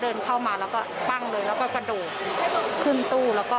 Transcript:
แล้วก็ล้มอยู่หน้าร้านแล้วก็วิ่งไปต่อ